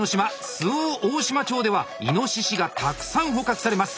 周防大島町ではいのししがたくさん捕獲されます。